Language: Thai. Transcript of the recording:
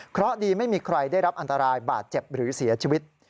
เพราะดีไม่มีใครได้รับอันตรายบาดเจ็บหรือเสียชีวิต